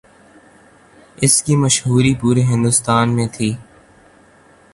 اس کی مشہوری پورے ہندوستان میں تھی۔